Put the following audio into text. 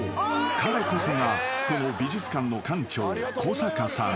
彼こそがこの美術館の館長小阪さん］